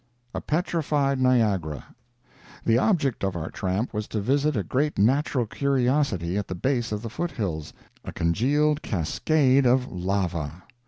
A PETRIFIED NIAGARA The object of our tramp was to visit a great natural curiosity at the base of the foothills—a congealed cascade of lava.